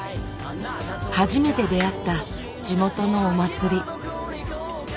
初めて出会った地元のお祭り。